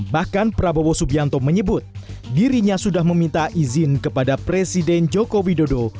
bahkan prabowo subianto menyebut dirinya sudah meminta izin kepada presiden joko widodo